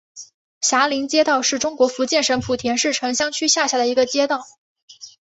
霞林街道是中国福建省莆田市城厢区下辖的一个街道。